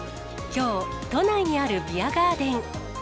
きょう、都内にあるビアガーデン。